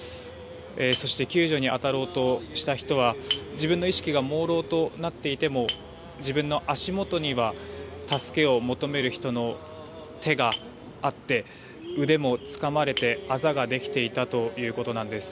そして救助に当たろうとした人は自分の意識がもうろうとなっていても自分の足元には助けを求める人の手があって腕もつかまれてあざができていたということなんです。